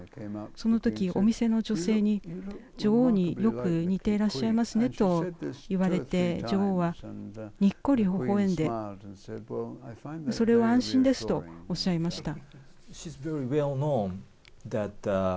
その時、お店の女性に女王によく似ていらっしゃいますねと言われて女王は、にっこりほほえんでそれは安心ですとおっしゃいました。